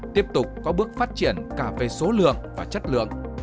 tiếp tục có bước phát triển cả về số lượng và chất lượng